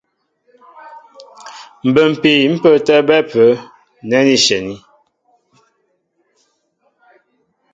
Mbə́mpii ḿ pə́ə́tɛ́ a bɛ́ ápə́ nɛ́ ní shyɛní.